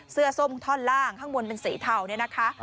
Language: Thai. ส้มท่อนล่างข้างบนเป็นสีเทาเนี่ยนะคะ